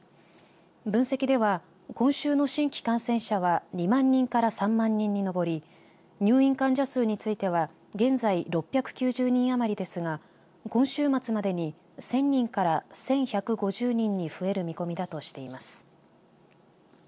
分析では今週の新規感染者は２万人から３万人に上り入院患者数については現在６９０人余りですが今週末までに１０００人から１１５０人に増える見込みだとしています。